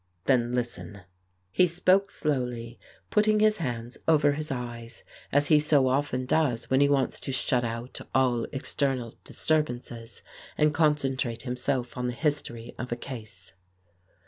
Then listen." He spoke slowly, putting his hands over his eyes, as he so often does when he wants to shut out all external disturbances and concentrate himself on the history of a case.